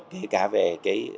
kể cả về cái